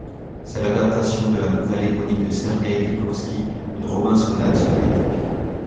C'est l'adaptation de la nouvelle éponyme de Sergueï Dikovski, une robinsonnade soviétique.